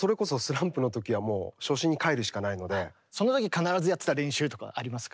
それこそその時必ずやってた練習とかありますか？